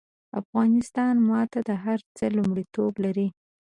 افغانستان ماته د هر څه لومړيتوب لري